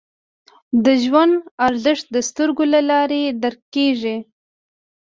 د ژوند ارزښت د سترګو له لارې درک کېږي